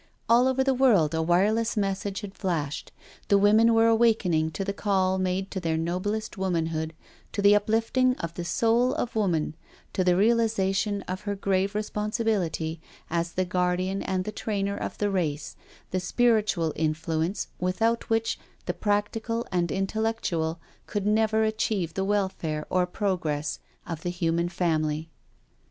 All over the world a wireless message had flashed, and women were awakening to the call made to their noblest womanhood, to the uplifting of the soul of woman, to the realisa tion of her grave responsibility as the guardian and the trainer of the race, the spiritual influence without which the practical and intellectual could never achieve the welfare or progress of the human family.